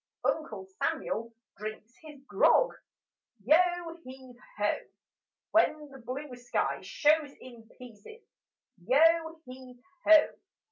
Uncle Samuel drinks his grog: Yo heave ho! When the blue sky shows in pieces, Yo heave ho!